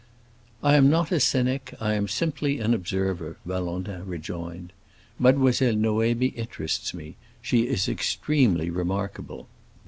"I am not a cynic; I am simply an observer," Valentin rejoined. "Mademoiselle Noémie interests me; she is extremely remarkable.